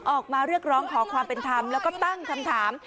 ออกมาเรียกร้องขอความเป็นธรรมแล้วก็ตั้งคำถาม